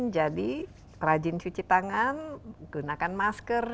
jadi rajin cuci tangan gunakan masker